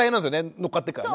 乗っかってるからね。